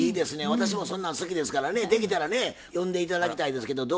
私もそんなん好きですからねできたらね呼んで頂きたいですけどどうですか？